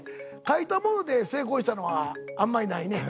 書いたもので成功したのはあんまりないね。